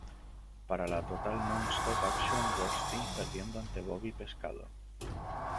Para la Total Nonstop Action Wrestling, perdiendo ante Bobby pescado.